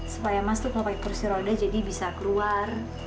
supaya mas tuh kalau pakai kursi roda jadi bisa keluar